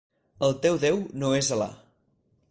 El teu déu no és Alà.